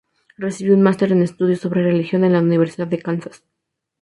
Recibió un máster en estudios sobre religión en la Universidad de Kansas.